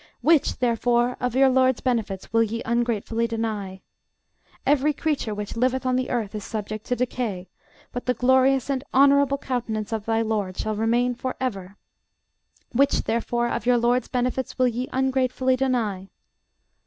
Which, therefore, of your LORD'S benefits will ye ungratefully deny? Every creature which liveth on the earth is subject to decay: but the glorious and honorable countenance of thy LORD shall remain for ever. Which, therefore, of your LORD'S benefits will ye ungratefully deny?